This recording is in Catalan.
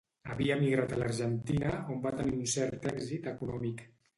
Havia emigrat a l'Argentina, on va tenir un cert èxit econòmic.